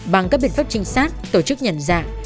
bằng các biện pháp trinh sát tổ chức nhận dạng